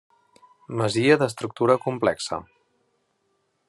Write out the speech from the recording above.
Masia d'estructura complexa.